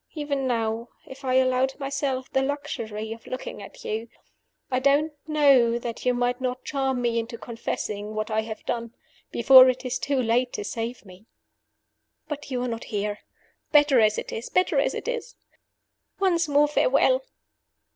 Even now, if I allowed myself the luxury of looking at you, I don't know that you might not charm me into confessing what I have done before it is too late to save me. "But you are not here. Better as it is! better as it is! "Once more, farewell!